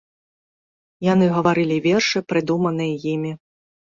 Яны гаварылі вершы, прыдуманыя імі.